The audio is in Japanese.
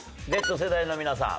Ｚ世代の皆さん